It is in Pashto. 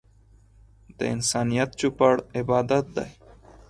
د انسانيت چوپړ عبادت دی.